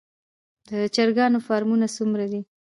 د چرګانو فارمونه څومره دي؟